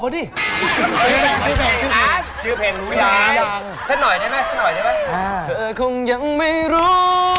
เธอคงยังไม่รู้